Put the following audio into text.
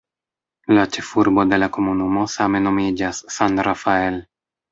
La ĉefurbo de la komunumo same nomiĝas "San Rafael".